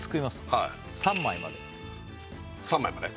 はいはいはい３枚まで３枚まで？